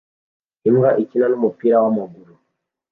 Imbwa ikina numupira wamaguru